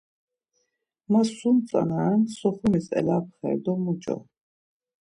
Ma sum tzana ren Soxumis elapxer do muç̌o?